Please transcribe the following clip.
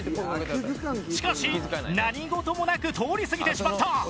しかし何事もなく通り過ぎてしまった！